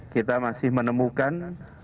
kita masih menemukan